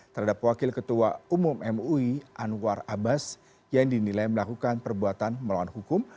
terhadap wakil ketua umum mui anwar abbas yang dinilai melakukan perbuatan melawan hukum